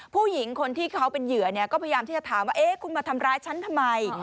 ผู้หญิงคนที่เขาเป็นเหยื่อก็พยายามที่จะถามว่าคุณมาทำร้ายฉันทำไม